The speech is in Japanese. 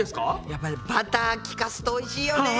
やっぱりバター利かすとおいしいよね。